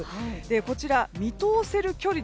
こちら、見通せる距離